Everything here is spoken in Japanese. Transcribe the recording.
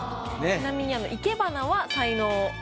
ちなみにいけばなは。